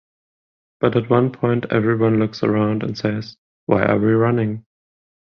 but at one point everyone looks around and says, why are we running?